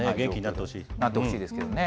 なってほしいですね。